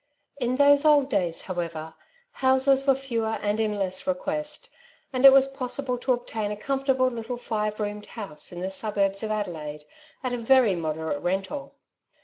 In those old days, however, houses were fewer and in less request, and it was possible to obtain a com fortable little five roomed house in the suburbs of Adelaide at a very moderate rental.